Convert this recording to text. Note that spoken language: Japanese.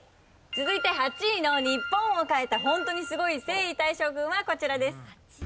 続いて８位の日本を変えた本当にスゴい征夷大将軍はこちらです。